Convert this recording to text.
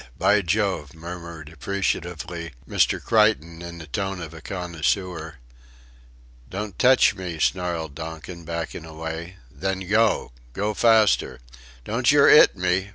By Jove," murmured appreciatively Mr. Creighton in the tone of a connoisseur. "Don't tech me," snarled Donkin, backing away. "Then go. Go faster." "Don't yer 'it me....